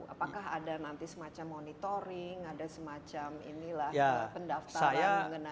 apakah ada nanti semacam monitoring ada semacam inilah pendaftaran mengenai